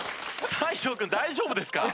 大昇君大丈夫ですか？